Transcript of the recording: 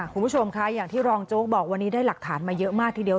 คุณผู้ชมคะอย่างที่รองโจ๊กบอกวันนี้ได้หลักฐานมาเยอะมากทีเดียว